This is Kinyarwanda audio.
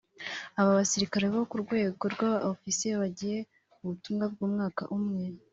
Aba basirikare bo ku rwego rwa ofisiye bagiye mu butumwa bw’umwaka umwe